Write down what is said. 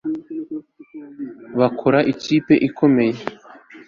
Bakora ikipe ikomeye